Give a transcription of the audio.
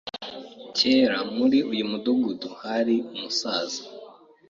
Kera, muri uyu mudugudu hari umusaza.